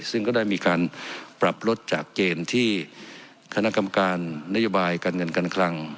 ซึ่งก็ได้มีการปรับลดจากเกณฑ์ที่คณะกรรมการนโยบายการเงินการคลัง